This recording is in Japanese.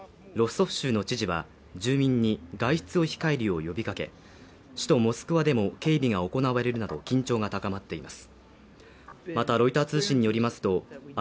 ロストフ州の知事は住民に外出を控えるよう呼びかけ、首都モスクワでも警備が行われるなど、緊張が高まっています。